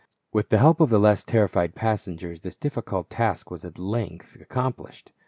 With the help of the less terrified passengers this difficult task was at length accomplished.